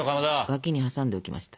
脇に挟んでおきました。